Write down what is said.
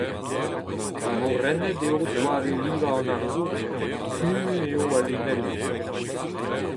Morennet eo doare-livañ an arzour, kuñv eo al linennoù.